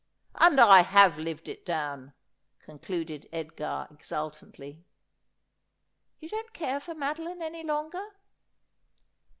And I have lived it down,' concluded Edgar exultantly. ' You don't care for Madoline any longer